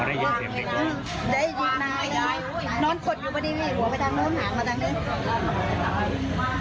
อ๋อได้ยินเสียงเด็กร้องอืมได้จริงนอนกดอยู่ป่ะนี่หัวไปทางนู้นหักมาทางนู้น